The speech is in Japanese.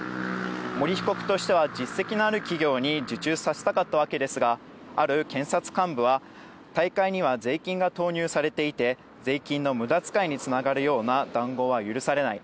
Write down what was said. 森被告としては、実績のある企業に受注させたかったわけですが、ある検察幹部は、大会には税金が投入されていて、税金の無駄遣いにつながるような談合は許されない。